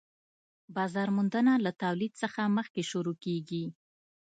بازار موندنه له تولید څخه مخکې شروع کيږي